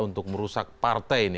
untuk merusak partai ini